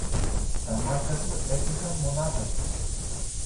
τα μάτια του έκλεισαν μονάχα τους